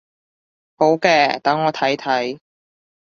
好嘅，等我睇睇